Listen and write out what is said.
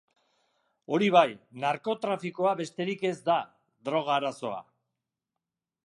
Hori bai, narkotrafikoa besterik ez da, droga arazoa.